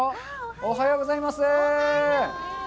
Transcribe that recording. おはようございます。